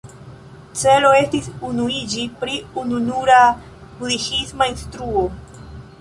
Celo estis unuiĝi pri ununura budhisma instruo.